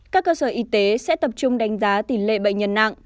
các cơ sở y tế sẽ tập trung đánh giá tỷ lệ bệnh nhân nặng